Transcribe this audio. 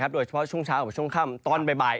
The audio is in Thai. โดยเฉพาะช่วงเช้ากับช่วงค่ำตอนบ่าย